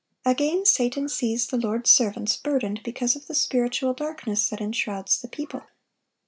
Again, Satan sees the Lord's servants burdened because of the spiritual darkness that enshrouds the people.